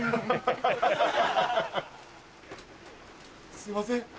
すいません。